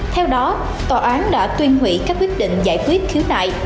theo đó tòa án đã tuyên hủy các quyết định giải quyết khiếu nại